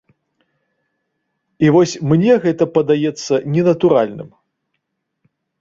І вось мне гэта падаецца ненатуральным.